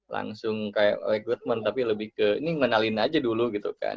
langsung kayak rekrutmen tapi lebih ke ini mengenalin aja dulu gitu kan